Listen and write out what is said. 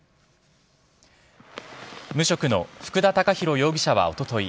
無職の福田尚宏容疑者はおととい